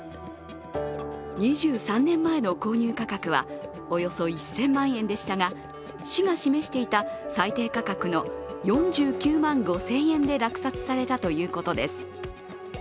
２３年前の購入価格はおよそ１０００万円でしたが、市が示していた最低価格の４９万５０００円で落札されたということです。